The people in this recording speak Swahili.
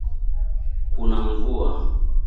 kuna mvua